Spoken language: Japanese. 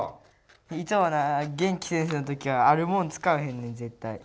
いつもな元気先生のときはあるもんつかわへんねんぜったい。